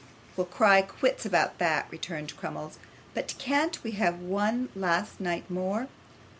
'We'll cry quits about that,' returned Crummles. 'But can't we have one last night more?